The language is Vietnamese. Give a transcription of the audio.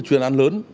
bốn chuyên án lớn